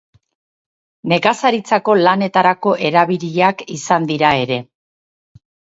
Nekazaritzako lanetarako erabiliak izan dira ere.